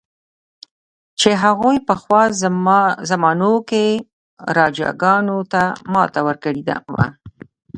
چې هغوی په پخوا زمانو کې راجاګانو ته ماته ورکړې وه.